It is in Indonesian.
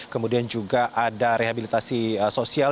kemudian juga ada rehabilitasi sosial